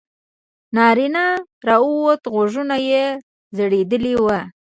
نارینه راووت غوږونه یې ځړېدلي وو.